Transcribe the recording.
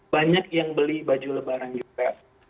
banyak yang beli baju lebaran juga